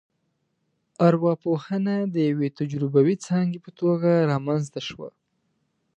ارواپوهنه د یوې تجربوي ځانګې په توګه رامنځته شوه